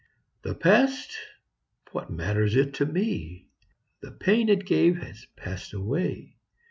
The past what matters it to me? The pain it gave has passed away.